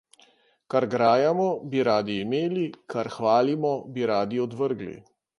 Kar grajamo, bi radi imeli, kar hvalimo, bi radi odvrgli.